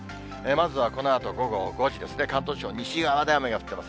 まずはこのあと午後５時ですね、関東地方、西側で雨が降っています。